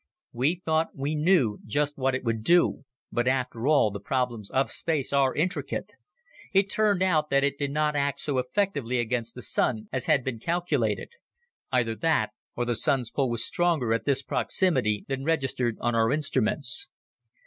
We thought we knew just what it would do, but after all, the problems of space are intricate. It turned out that it did not act so effectively against the Sun as had been calculated. Either that, or the Sun's pull was stronger at this proximity than registered on our instruments.